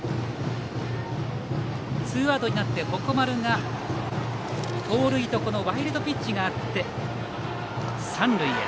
ツーアウトとなって鉾丸が盗塁とワイルドピッチがあって三塁へ。